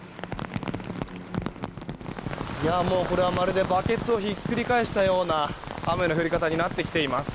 もうこれはまるでバケツをひっくり返したような雨の降り方になってきています。